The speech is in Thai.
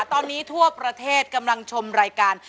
ตอนนี้ทั่วประเทศกำลังชมรายการ